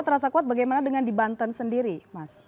terasa kuat bagaimana dengan di banten sendiri mas